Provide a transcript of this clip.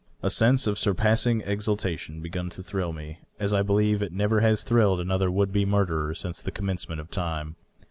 A sense of surpassing exultation had begun to thrill me, as I believe it never has thrilled another would be murderer since the commencement of time.